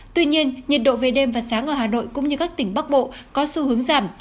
tuy nhiên nhiệt độ về đêm và sáng ở hà nội cũng như các tỉnh bắc bộ có xu hướng giảm